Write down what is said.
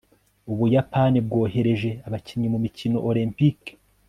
ubuyapani bwohereje abakinnyi mu mikino olempike